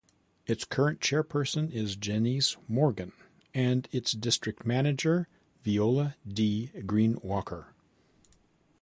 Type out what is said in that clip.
Its current Chairperson is Genese Morgan, and its District Manager Viola D. Greene-Walker.